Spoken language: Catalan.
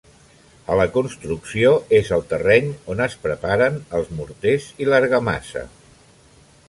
A la construcció és el terreny on es preparen els morters i l'argamassa.